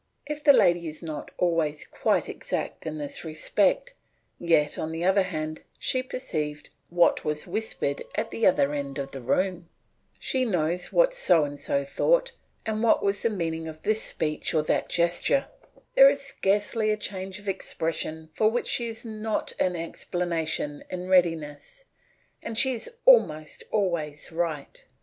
If the lady is not always quite exact in this respect, yet on the other hand she perceived what was whispered at the other end of the room; she knows what so and so thought, and what was the meaning of this speech or that gesture; there is scarcely a change of expression for which she has not an explanation in readiness, and she is almost always right.